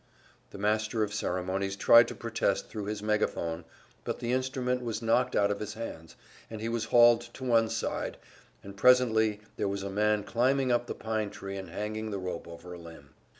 The master of ceremonies tried to protest thru his megaphone, but the instrument was knocked out of his hands, and he was hauled to one side, and presently there was a man climbing up the pine tree and hanging the rope over a limb.